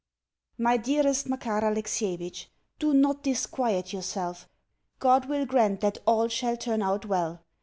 MY DEAREST MAKAR ALEXIEVITCH, Do not disquiet yourself. God will grant that all shall turn out well.